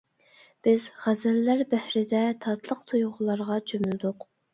بىز غەزەللەر بەھرىدە تاتلىق تۇيغۇلارغا چۆمۈلدۇق.